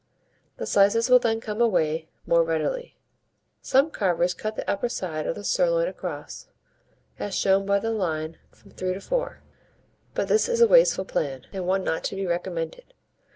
The slices will then come away more readily. Some carvers cut the upper side of the sirloin across, as shown by the line from 3 to 4; but this is a wasteful plan, and one not to be recommended.